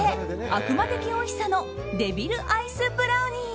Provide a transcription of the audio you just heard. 悪魔的おいしさのデビルアイスブラウニー。